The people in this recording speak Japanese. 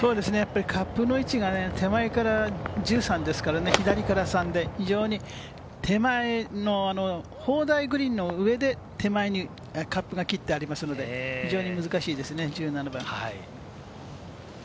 カップの位置が手前から１３ですからね、左から３で非常に手前の砲台グリーンの上で手前にカップが切ってありますので、非常に難しいですね、１７番は。